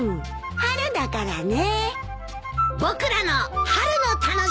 春だからねえ。